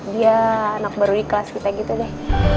dia anak baru di kelas kita gitu deh